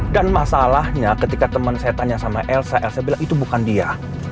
dan masalahnya ketika temen saya tanya sama elsa elsa bilang itu bukan dia